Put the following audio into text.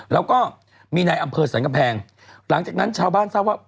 แล้วก็มีในอำเภอสรรกำแพงหลังจากนั้นชาวบ้านทราบว่า